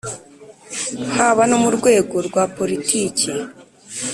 haba no mu rwego rwa politiki